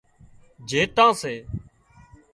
جيٽان سي